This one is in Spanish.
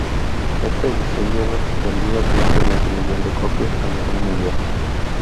Esta edición lleva vendidas más de medio millón de copias a nivel mundial.